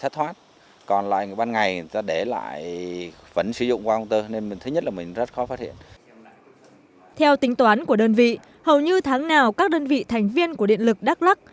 theo tính toán của đơn vị hầu như tháng nào các đơn vị thành viên của điện lực đắk lắc